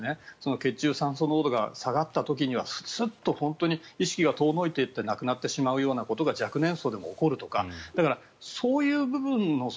血中酸素濃度が下がった時にはスッと意識が遠のいていって亡くなってしまうようなことが若年層でも起こるとかそういう部分の。